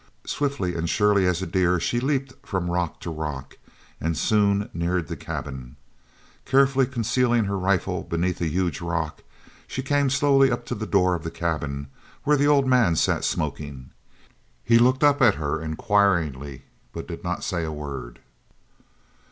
Swiftly and surely as a deer she leaped from rock to rock, and soon neared the cabin. Carefully concealing her rifle beneath a huge rock, she came slowly up to the door of the cabin, where the old man sat smoking. He looked up at her, inquiringly, but did not say a word.